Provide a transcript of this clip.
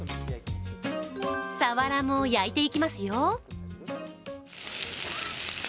さわらも焼いていきますよ。